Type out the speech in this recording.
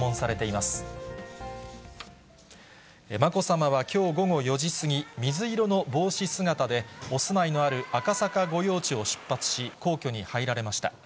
まこさまはきょう午後４時過ぎ、水色の帽子姿で、お住まいのある赤坂御用地を出発し、皇居に入られました。